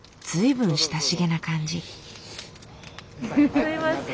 すみません。